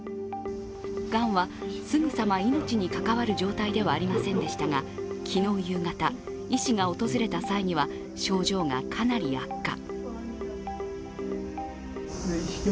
がんは、すぐさま命に関わる状態ではありませんでしたが、昨日夕方、医師が訪れた際には症状がかなり悪化。